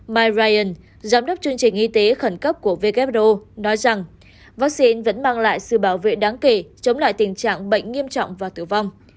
mike ryan giám đốc chương trình y tế khẩn cấp của who nói rằng vaccine vẫn mang lại sự bảo vệ đáng kể chống lại tình trạng bệnh nghiêm trọng và tử vong